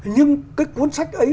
nhưng cái cuốn sách ấy